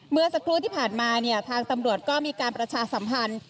เมื่อสักครู่ที่ผ่านมาเนี่ยทางตำรวจก็มีการประชาสัมพันธ์